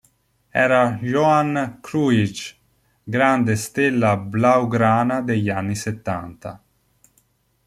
Era Johan Cruijff, grande stella blaugrana degli anni settanta.